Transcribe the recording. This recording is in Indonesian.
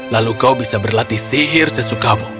lalu kau bisa berlatih sihir sesukamu